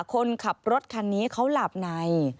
คนขับรถคันนี้เขาหลับใน